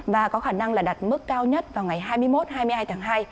và có khả năng là đạt mức cao nhất vào ngày hai mươi một hai mươi hai tháng hai